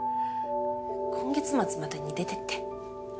今月末までに出てって。